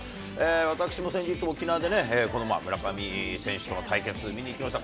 私も先日、沖縄でこの村上選手との対決、見に行きました。